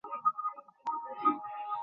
হ্যাঁ, খুব ক্রিমি।